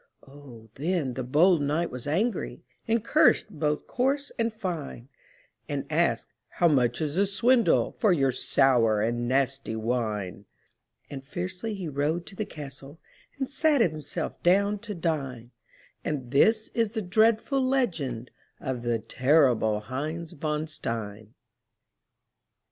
Oh, then the bold knight was angry, And cursed both coarse and fine; And asked, "How much is the swindle For your sour and nasty wine?" And fiercely he rode to the castle And sat himself down to dine; And this is the dreadful legend Of the terrible Heinz von Stein.